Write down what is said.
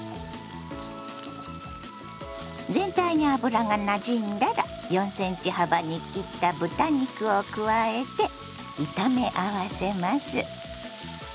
全体に油がなじんだら４ｃｍ幅に切った豚肉を加えて炒め合わせます。